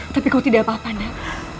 tapi kau tidak apa apa nak